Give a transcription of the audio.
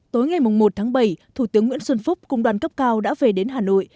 tối ngày một tháng bảy thủ tướng nguyễn xuân phúc cùng đoàn cấp cao đã về đến hà nội